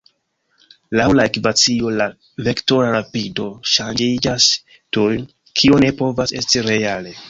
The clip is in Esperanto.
Laŭ la ekvacio, la vektora rapido ŝanĝiĝas tuj, kio ne povas esti reale.